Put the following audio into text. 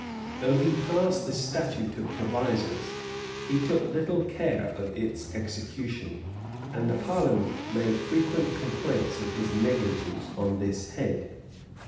Though he passed the statute of provisors, he took little care of its execution; and the parliament made frequent complaints of his negligence on this head.